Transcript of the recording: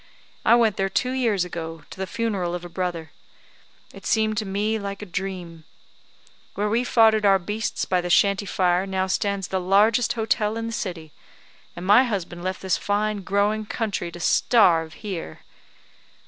I went there two years ago, to the funeral of a brother. It seemed to me like a dream. Where we foddered our beasts by the shanty fire now stands the largest hotel in the city; and my husband left this fine growing country to starve here."